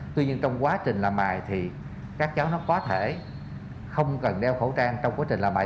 tuy nhiên trong quá trình làm bài thì các cháu nó có thể không cần đeo khẩu trang trong quá trình làm bài